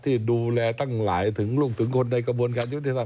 ที่ดูแลตั้งหลายถึงลูกถึงคนในกระบวนการยุทธิธรรม